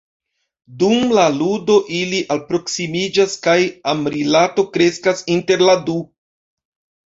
Dum la ludo, ili alproksimiĝas kaj amrilato kreskas inter la du.